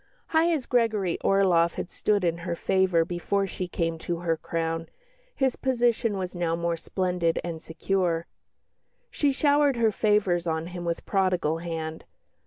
High as Gregory Orloff had stood in her favour before she came to her crown, his position was now more splendid and secure. She showered her favours on him with prodigal hand.